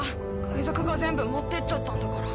海賊が全部持ってっちゃったんだから。